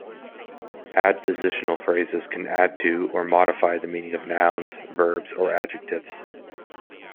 Adpositional phrases can add to or modify the meaning of nouns, verbs, or adjectives.